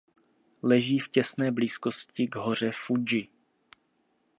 Leží v těsné blízkosti k hoře Fudži.